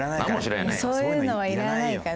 そういうのはいらないから。